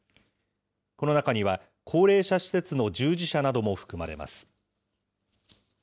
この中には、高齢者施設の従事者なども含まれます。